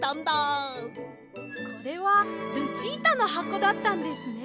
これはルチータのはこだったんですね。